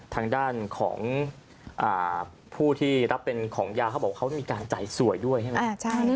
ทางด้านของผู้ที่รับเป็นของยาเขาบอกเขามีการจ่ายสวยด้วยใช่ไหม